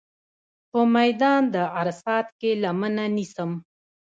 په میدان د عرصات کې لمنه نیسم.